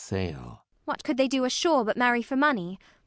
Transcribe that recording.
What could they do ashore but marry for money?